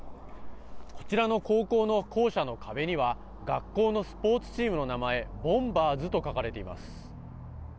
こちらの高校の校舎の壁には、学校のスポーツチームの名前、ボンバーズと書かれています。